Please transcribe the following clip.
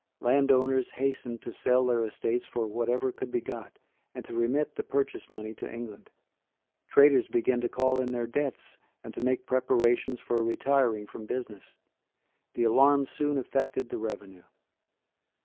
Landowners hastened to sell their estates for whatever could be got, and to remit the purchase money to England. Traders began to call in their debts and to make preparations for retiring from business. The alarm soon affected the revenue.